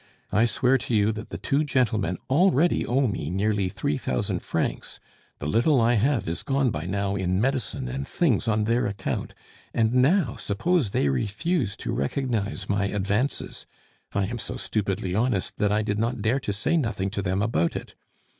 I swear to you that the two gentlemen already owe me nearly three thousand francs; the little I have is gone by now in medicine and things on their account; and now suppose they refuse to recognize my advances? I am so stupidly honest that I did not dare to say nothing to them about it.